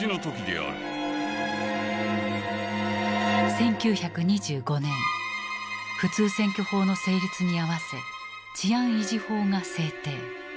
１９２５年普通選挙法の成立にあわせ治安維持法が制定。